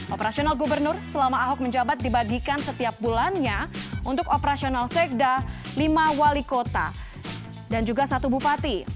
operasional gubernur selama ahok menjabat dibagikan setiap bulannya untuk operasional sekda lima wali kota dan juga satu bupati